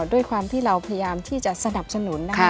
ด้วยความที่เราพยายามที่จะสนับสนุนนะคะ